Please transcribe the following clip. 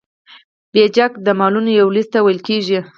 بیجک د مالونو یو لیست ته ویل کیږي.